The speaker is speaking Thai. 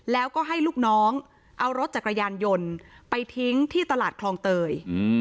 แล้วก็ให้ลูกน้องเอารถจักรยานยนต์ไปทิ้งที่ตลาดคลองเตย